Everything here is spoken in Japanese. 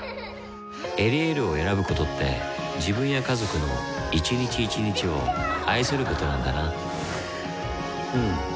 「エリエール」を選ぶことって自分や家族の一日一日を愛することなんだなうん。